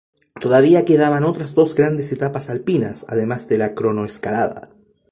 Todavía quedaban otras dos grandes etapas alpinas, además de la cronoescalada.